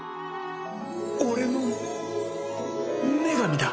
俺の女神だ